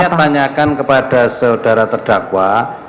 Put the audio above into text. ya makasinya tanyakan kepada saudara terdakwa